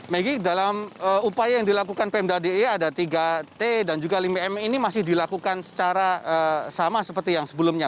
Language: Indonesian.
maggie dalam upaya yang dilakukan pmda de ada tiga t dan juga lima m ini masih dilakukan secara sama seperti yang sebelumnya